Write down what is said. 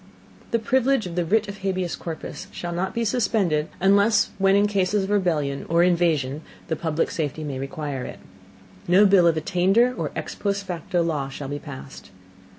The Privilege of the Writ of Habeas Corpus shall not be suspended, unless when in Cases of Rebellion or Invasion the public Safety may require it. No Bill of Attainder or ex post facto Law shall be passed.